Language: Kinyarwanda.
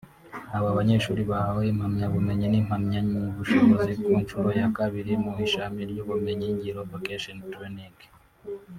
Aba banyeshuri bahawe impamyabumenyi n’impamyabushobozi ku nshuro ya kabiri mu ishami ry’ubumenyi ngiro (Vocational Training)